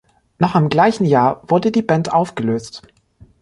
Noch im gleichen Jahr wurde die Band aufgelöst.